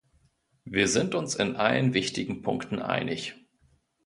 Wir sind uns in allen wichtigen Punkten einig.